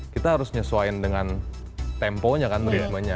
kita harus nyesuaiin dengan temponya kan ritmenya